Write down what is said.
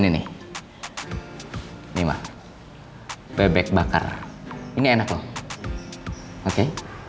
ini mah bebek bakar ini enak loh oke